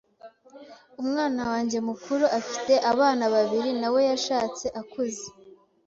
umwana wanjye mukuru afite abana babiri nawe yashatse akuze